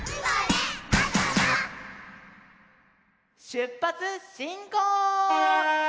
しゅっぱつしんこう！